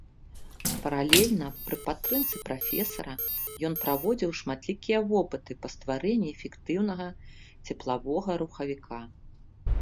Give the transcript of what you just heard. Паралельна, пры падтрымцы прафесара, ён праводзіў шматлікія вопыты па стварэнні эфектыўнага цеплавога рухавіка.